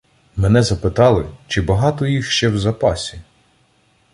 Мене запитали, чи багато їх ще в запасі?